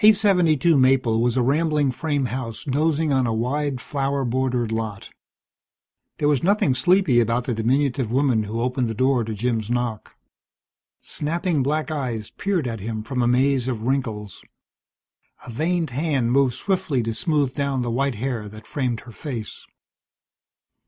872 Maple was a rambling frame house dozing on a wide flower bordered lot. There was nothing sleepy about the diminutive woman who opened the door to Jim's knock. Snapping black eyes peered at him from a maze of wrinkles. A veined hand moved swiftly to smooth down the white hair that framed her face.